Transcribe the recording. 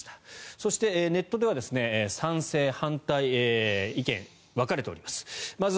そして、ネットでは賛成、反対意見が分かれています。